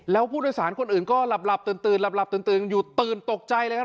แล้วผู้โดยสารคนอื่นก็หลับตื่นหลับตื่นอยู่ตื่นตกใจเลยครับ